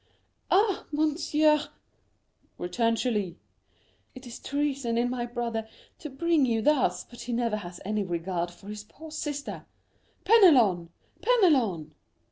"Ah, monsieur," returned Julie, "it is treason in my brother to bring you thus, but he never has any regard for his poor sister. Penelon, Penelon!"